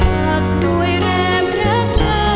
เราหักด้วยแรมรักเมอร์